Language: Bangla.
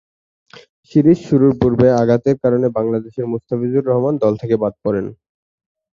সিরিজ শুরুর পূর্বে আঘাতের কারণে বাংলাদেশের মুস্তাফিজুর রহমান দল থেকে বাদ পড়েন।